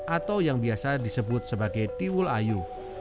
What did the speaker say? atau yang biasa disebut sebagai tiwul ayu